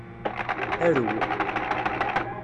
Arew.